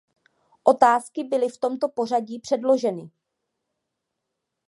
Otázky byly v tomto pořadí předloženy.